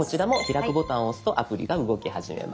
ボタンを押すとアプリが動き始めます。